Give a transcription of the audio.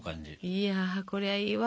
いやこれはいいわ。